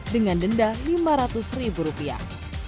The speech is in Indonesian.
dengan denda lima ratus ribu rupiah